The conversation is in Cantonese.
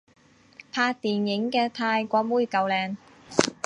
拍電影嘅泰國妹夠靚